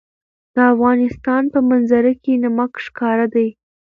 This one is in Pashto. د افغانستان په منظره کې نمک ښکاره ده.